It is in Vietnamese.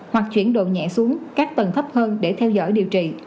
hoặc chuyển độ nhẹ xuống các tầng thấp hơn để theo dõi điều trị